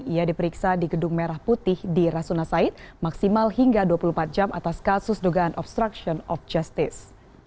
ia diperiksa di gedung merah putih di rasuna said maksimal hingga dua puluh empat jam atas kasus dugaan obstruction of justice